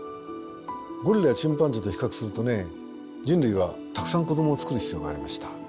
ゴリラやチンパンジーと比較するとね人類はたくさん子どもをつくる必要がありました。